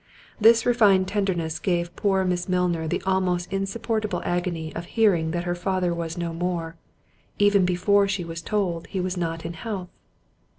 This refined tenderness gave poor Miss Milner the almost insupportable agony of hearing that her father was no more, even before she was told he was not in health.